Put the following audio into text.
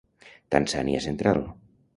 Tanzània central.